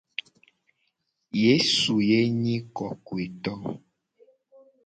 Yesu ye nyi kokoeto.